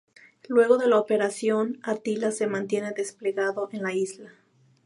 Luego de la Operación Atila, se mantiene desplegado en la isla.